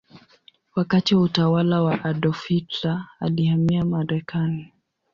Wakati wa utawala wa Adolf Hitler alihamia Marekani.